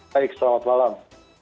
baik selamat malam